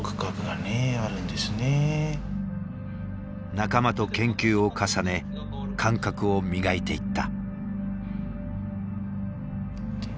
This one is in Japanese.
仲間と研究を重ね感覚を磨いていった。